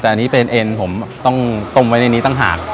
แต่อันนี้เป็นเอ็นผมต้องต้มไว้ในนี้ตั้งหาก